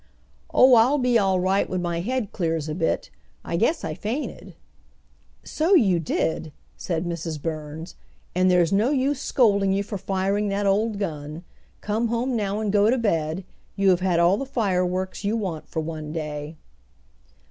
"Oh, I'll be all right when my head clears a bit. I guess I fainted." "So you did," said Mrs. Burns, "and there's no use scolding you for firing that old gun. Come home now and go to bed; you have had all the fireworks you want for one day."